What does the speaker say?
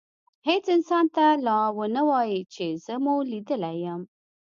هیڅ انسان ته لا ونه وایئ چي زه مو لیدلی یم.